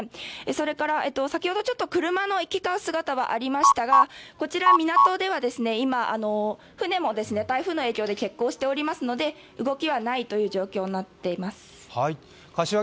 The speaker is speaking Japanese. それから先ほどちょっと車の行き交う姿はありましたが、こちら港では船も台風の影響で欠航していますので、動きはないという状況になっています。